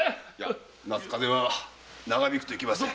夏風邪は長引くといけません。